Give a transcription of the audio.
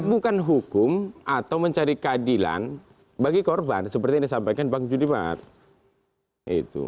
bukan hukum atau mencari keadilan bagi korban seperti yang disampaikan bang judimar